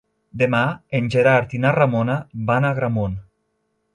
Demà en Gerard i na Ramona van a Agramunt.